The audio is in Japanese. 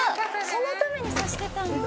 そのために差してたんだ。